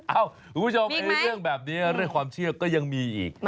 คุณผู้ชมคือเรื่องแบบนี้เรื่องความเชื่อก็ยังมีอีก